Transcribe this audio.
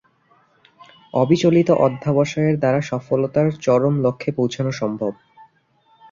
অবিচলিত অধ্যবসায়ের দ্বারা সফলতার চরম লক্ষ্যে পৌছানো সম্ভব।